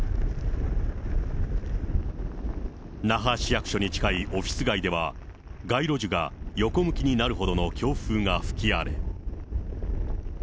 那覇市役所に近いオフィス街では、街路樹が横向きになるほどの強風が吹き荒れ。